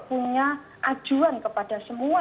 punya ajuan kepada semua